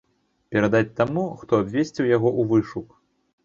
Перадаць таму, хто абвясціў яго ў вышук.